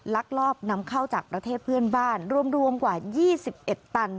ลักลอบนำเข้าจากประเทศเพื่อนบ้านรวมกว่า๒๑ตัน